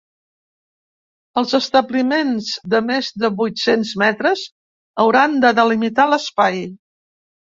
Els establiments de més de vuit-cents metres hauran de delimitar l’espai.